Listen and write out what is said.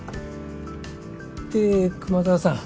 で熊沢さん